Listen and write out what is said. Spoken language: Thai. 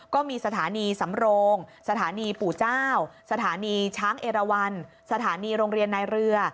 ก็มีสถานีสำโรงสถานีปู่เจ้าสถานีช้างเอราวันสถานีโรงเรียนนายเรือ